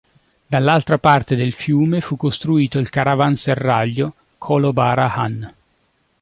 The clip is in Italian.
Dall'altra parte del fiume, fu costruito il caravanserraglio Kolobara-han.